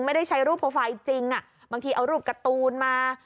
ไม่ได้ใช้รูปโปรไฟล์จริงบางทีเอารูปการ์ตูนมา